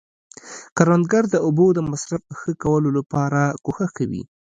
کروندګر د اوبو د مصرف ښه کولو لپاره کوښښ کوي